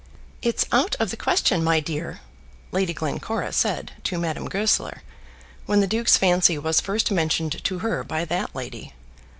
"It's out of the question, my dear," Lady Glencora said to Madame Goesler, when the duke's fancy was first mentioned to her by that lady.